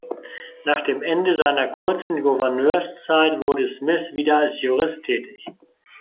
Nach dem Ende seiner kurzen Gouverneurszeit wurde Smith wieder als Jurist tätig.